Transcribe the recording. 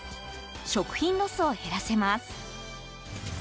食品ロスを減らせます。